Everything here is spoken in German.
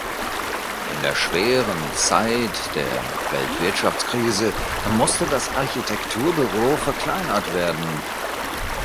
In der schweren Zeit der Weltwirtschaftskrise musste das Architekturbüro verkleinert werden.